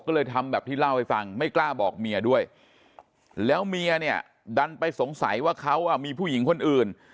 ก็เลยทำแบบที่เล่าให้ฟังไม่กล้าบอกเมียด้วยแล้วเมียเนี่ยดันไปสงสัยว่าเขามีผู้หญิงคนอื่น